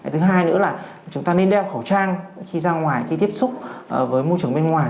thứ hai nữa là chúng ta nên đeo khẩu trang khi ra ngoài khi tiếp xúc với môi trường bên ngoài